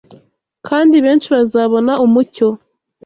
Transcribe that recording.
kandi benshi bazabona umucyo